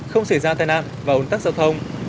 không xảy ra tai nạp và ổn tắc giao thông